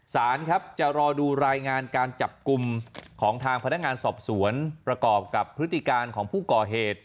สารครับจะรอดูรายงานการจับกลุ่มของทางพนักงานสอบสวนประกอบกับพฤติการของผู้ก่อเหตุ